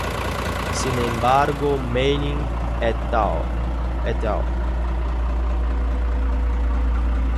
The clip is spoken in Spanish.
Sin embargo, Manning et al.